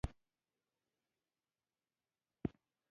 خالي جب يو ژور درد دې